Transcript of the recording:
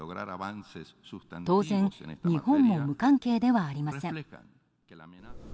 当然、日本も無関係ではありません。